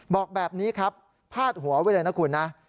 บอกแบบนี้ครับพาดหัวไว้เลยนะคุณนะ